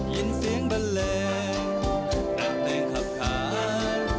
ยินเสียงเบลงนักเต้งขับทาง